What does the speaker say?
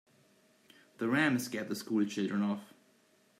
The ram scared the school children off.